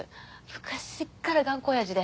昔っから頑固親父で。